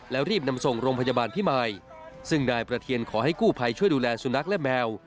แล้วรีบนำส่งโรงพยาบาลพิมายซึ่งนายประเทียนขอให้กู้ภัยช่วยดูแลสุนัขและแมว